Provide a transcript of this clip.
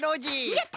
やった！